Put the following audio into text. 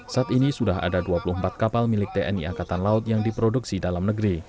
saat ini sudah ada dua puluh empat kapal milik tni angkatan laut yang diproduksi dalam negeri